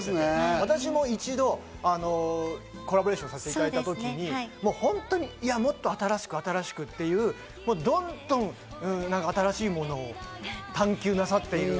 私も一度コラボレーションさせていただいた時に、もっと新しく新しくっていう、どんどん新しいものを探求なさっている。